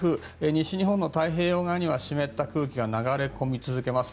西日本の太平洋側には湿った空気が流れ込み続けます。